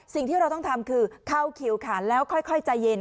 สิ่งที่เราต้องทำคือเข้าคิวค่ะแล้วค่อยใจเย็น